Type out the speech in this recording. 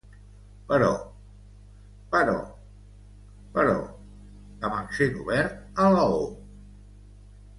Però, però, però, amb accent obert a la o